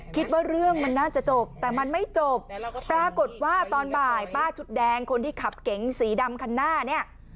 คิดว่าเรื่องมันน่าจะจบแต่มันไม่จบปรากฏว่าตอนบ่ายป้าชุดแดงคนที่ขับเก๋งสีดำคันหน้าเนี่ย